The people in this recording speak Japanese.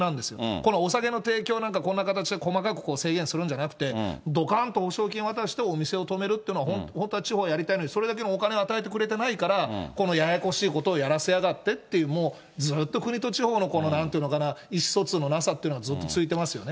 このお酒の提供なんて、こんな形で細かく制限するんじゃなくて、どかんと補償金を渡してお店を止めるというのを本当は地方はやりたいのに、それだけのお金を与えてくれてないから、このややこしいことをやらせやがってっていう、もう、ずっと国と地方のこのなんていうのかな、意思疎通のなさっていうのがずっと続いてますよね。